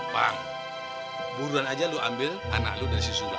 bang buruan aja lo ambil anak lo dari si sulam